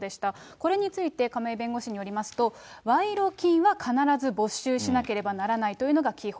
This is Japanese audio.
これについて、亀井弁護士によりますと、賄賂金は必ず没収しなければならないというのが基本。